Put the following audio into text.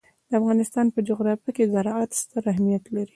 د افغانستان په جغرافیه کې زراعت ستر اهمیت لري.